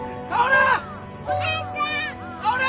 薫。